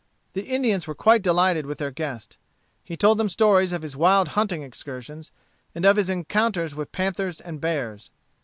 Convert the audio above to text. The Indians were quite delighted with their guest. He told them stories of his wild hunting excursions, and of his encounters with panthers and bears.